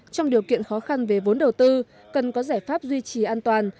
trong điều kiện khó khăn về vốn đầu tư cần có giải pháp duy trì an toàn